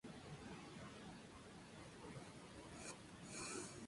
Allí trabajó en la construcción y haciendo trabajos ocasionales.